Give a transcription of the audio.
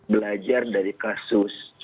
belajar dari kasus